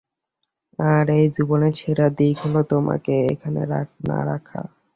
আর এই জীবনের সেরা দিক হলো তোমাকে এখানে না রাখা।